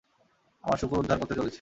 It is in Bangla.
আমার শূকর উদ্ধার করতে চলেছি।